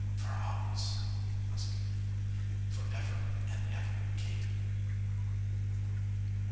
"For always," huskily. "For ever and ever, Katie."